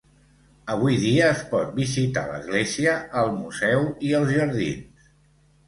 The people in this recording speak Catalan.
Avui dia es pot visitar l'església, el museu i els jardins.